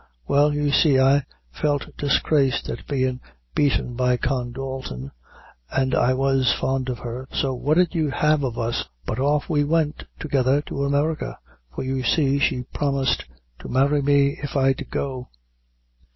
Well, you see, I felt disgraced at bein' beaten by Con Dalton, an I was fond of her, so what 'ud you have of us but off we went together to America, for you see she promised to marry me if I'd go.